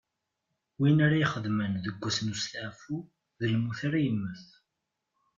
Win ara ixedmen deg wass n westeɛfu, d lmut ara yemmet.